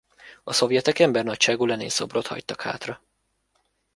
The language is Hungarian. A szovjetek ember nagyságú Lenin szobrot hagytak hátra.